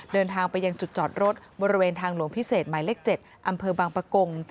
เดินทางไปยังจุดจอดรถบริเวณทางหลวงพิเศษหมายเลข๗อำเภอบางปะกง